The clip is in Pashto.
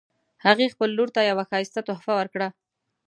هغې خپل لور ته یوه ښایسته تحفه ورکړه